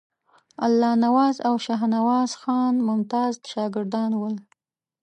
الله نواز او شاهنواز خان ممتاز شاګردان ول.